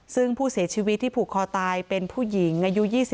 ซึ่งผู้เสียชีวิตที่ผูกคอตายเป็นผู้หญิงอายุ๒๕